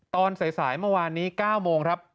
ตอนสายเมื่อวานนี้๙โมงครับ